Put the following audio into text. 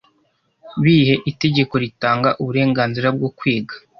bihe itegeko ritanga uburenganzira bwo kwiga